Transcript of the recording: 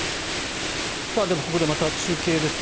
ではここでまた中継です。